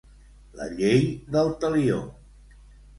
La llei del Talió.